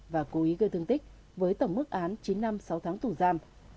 và cố ý gây thương tích với tổng mức án chín năm sáu tháng tù giam